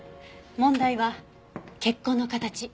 問題は血痕の形。